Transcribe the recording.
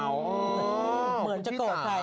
เหมือนจะโกรธใคร